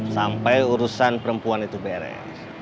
sampai urusan perempuan itu beres